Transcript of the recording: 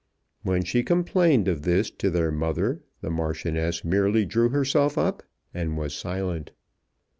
When she complained of this to their mother the Marchioness merely drew herself up and was silent.